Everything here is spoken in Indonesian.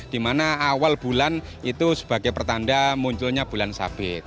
dimana awal bulan itu sebagai pertanda munculnya bulan sabit